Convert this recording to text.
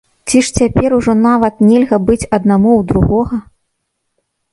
Ці ж цяпер ужо нават нельга быць аднаму ў другога?